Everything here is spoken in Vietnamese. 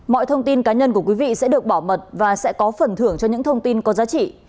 mọi thông tin cá nhân của quý vị sẽ được bảo mật và sẽ có phần thưởng cho những thông tin có giá trị